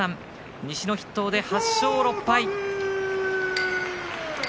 西の筆頭で８勝６敗。